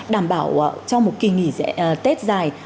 đảm bảo cho một kỳ nghỉ tết dài